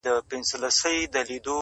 سل لكۍ په ځان پسې كړلې يو سري.!